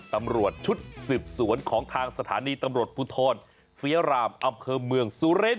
ตำรวจชุดสิบสวนของทางสถานีตำรวจบุธรฟิรามอับเคอร์เมืองซูเรน